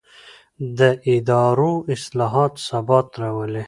د ادارو اصلاح ثبات راولي